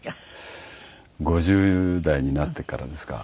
５０代になってからですか？